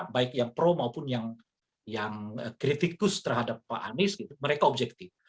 baik yang pro maupun yang kritikus terhadap pak anies mereka objektif